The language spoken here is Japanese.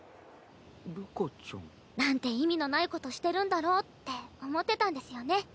るかちゃん。なんて意味のないことしてるんだろうって思ってたんですよね